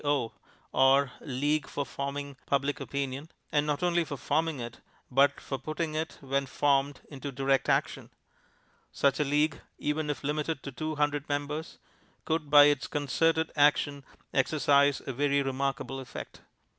O., or League for Forming Public Opinion, and not only for forming it, but for putting it, when formed, into direct action. Such a League, even if limited to two hundred members, could by its concerted action exercise a very remarkable effect.